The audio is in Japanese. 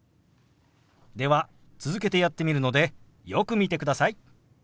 では続けてやってみるのでよく見てください。